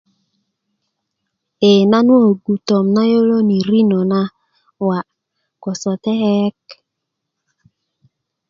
ee nan wowoŋgu tom na yoloni rino na wa gboso tekeyeŋ